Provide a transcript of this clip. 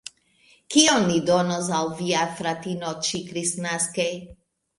Kion vi donos al via fratino ĉi-kristnaske?